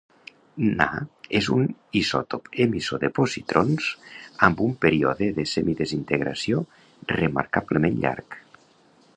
Na és un isòtop emissor de positrons amb un període de semidesintegració remarcablement llarg.